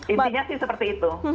intinya sih seperti itu